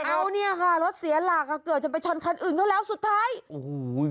เอ้าเนี่ยค่ะรถเสียหลากเกิดจะไปชนคันอื่นเท่าแล้วสุดท้าย